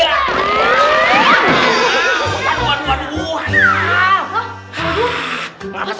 apa tuh ada dibelakang saya